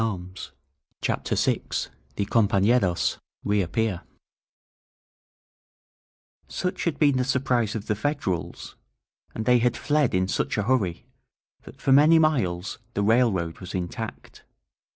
••• CHAPTER VI THE COMPANEROS REAPPEAR SUCH had been the surprise of the Federals, and they had fled in such a hurry, that for many miles the railroad was intact.